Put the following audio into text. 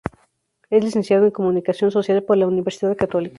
Es licenciado en Comunicación Social por la Universidad Católica.